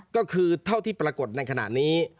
ก็คือเท่าที่ปรากฏในขณะนี้